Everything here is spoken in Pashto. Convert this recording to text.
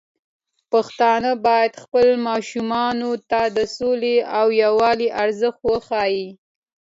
پښتانه بايد خپل ماشومان ته د سولې او يووالي ارزښت وښيي.